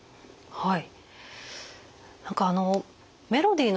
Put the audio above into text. はい。